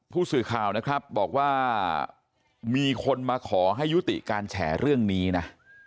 ผู้สื่อข่าวนะครับบอกว่ามีคนมาขอให้ยุติการแฉเรื่องนี้นะ